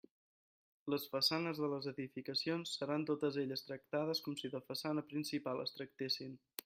Les façanes de les edificacions seran totes elles tractades com si de façana principal es tractessin.